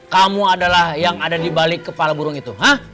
kamu adalah yang ada dibalik kepala burung itu hah